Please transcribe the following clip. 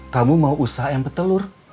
kamu mau usaha ayam petelur